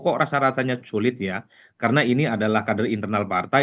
kok rasa rasanya sulit ya karena ini adalah kader internal partai